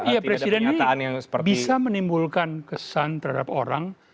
iya presiden ini bisa menimbulkan kesan terhadap orang